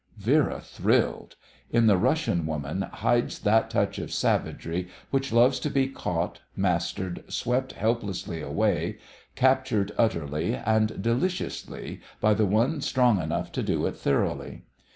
Vera thrilled. In the Russian woman hides that touch of savagery which loves to be caught, mastered, swept helplessly away, captured utterly and deliciously by the one strong enough to do it thoroughly.